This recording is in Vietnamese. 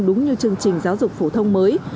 đúng như chương trình giáo dục phổ thông mới